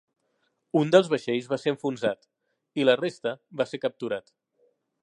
Un dels vaixells va ser enfonsat i la resta va ser capturat.